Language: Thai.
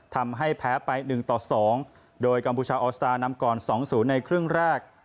ทำให้แพ้ไป๑ต่อ๒โดยกัมพูชาออสตาร์นำก่อน๒๐ในครึ่งแรก